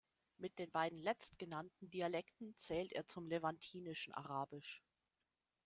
Mit den beiden letztgenannten Dialekten zählt er zum levantinischen Arabisch.